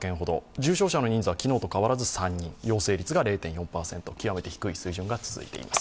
重症者の人数は昨日と変わらず３人陽性率が０．４％極めて低い水準が続いています。